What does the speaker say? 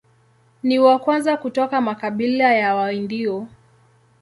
Ni wa kwanza kutoka makabila ya Waindio.